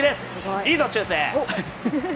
いいぞ、中正。